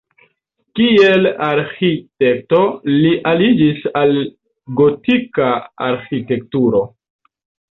Kiel arĥitekto li aliĝis al gotika arĥitekturo.